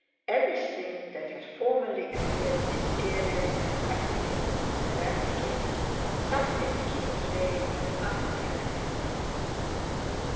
Everything that had formerly appeared mysterious and fascinating in Speránski suddenly became plain and unattractive.